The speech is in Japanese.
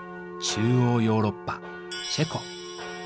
中欧ヨーロッパチェコ。